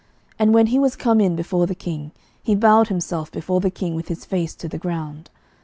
And when he was come in before the king, he bowed himself before the king with his face to the ground.